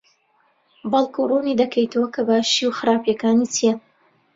بەڵکو ڕوونی دەکەیتەوە کە باشی و خراپییەکانی چییە؟